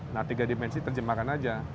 nah tiga dimensi terjemahkan aja